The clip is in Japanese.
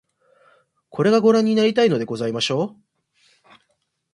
これが御覧になりたいのでございましょう